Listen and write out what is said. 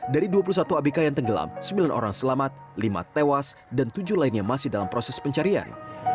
dari dua puluh satu abk yang tenggelam sembilan orang selamat lima tewas dan tujuh lainnya masih dalam proses pencarian